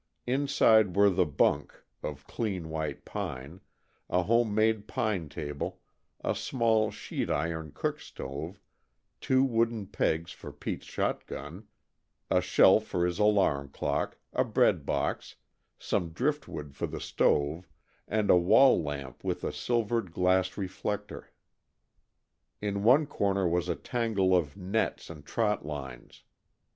Inside were the bunk of clean white pine a home made pine table, a small sheet iron cook stove, two wooden pegs for Peter's shotgun, a shelf for his alarm clock, a breadbox, some driftwood for the stove, and a wall lamp with a silvered glass reflector. In one corner was a tangle of nets and trot lines.